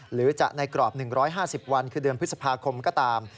หรือจะในกรอบ๑๕๐วันคือเดือนพฤษภาคมก็ตาม